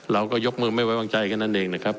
เราก็ยกมือไม่ไว้วางใจแค่นั้นเองนะครับ